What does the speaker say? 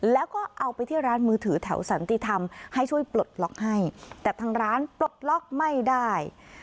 แล้วก็เอาไปที่ร้านมือถือแถวสันติธรรมให้ช่วยปลดล็อกให้แต่ทางร้านปลดล็อกไม่ได้